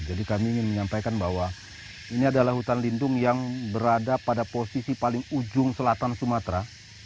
jadi kami ingin menyampaikan bahwa ini adalah hutan lindung yang berada pada posisi paling ujung selatan sumatera